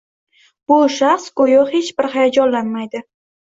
Bu shaxs go‘yo hech bir hayajonlanmaydi.